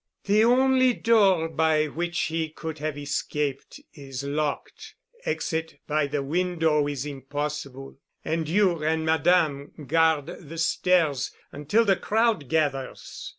"The only door by which he could have escaped is locked, exit by the window is impossible, and you and Madame guard the stairs until the crowd gathers.